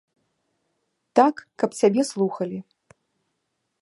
Так, каб цябе слухалі.